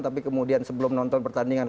tapi kemudian sebelum nonton pertandingan